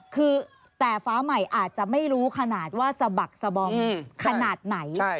คือแต่ฟ้าใหม่อาจจะไม่รู้ขนาดว่าสะบักสบอมขนาดไหน